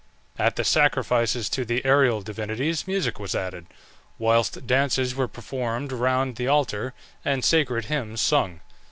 At the sacrifices to the aërial divinities music was added, whilst dances were performed round the altar, and sacred hymns sung.